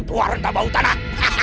keluar rentabau tanah